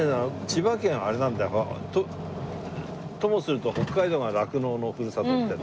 千葉県あれなんだよ。ともすると北海道が酪農のふるさとって。